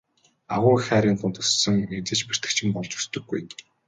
Агуу их хайрын дунд өссөн хүн хэзээ ч бэртэгчин болж өсдөггүй.